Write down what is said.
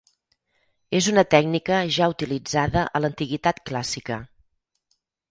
És una tècnica ja utilitzada a l'antiguitat clàssica.